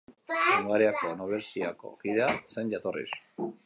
Hungariako nobleziako kidea zen jatorriz.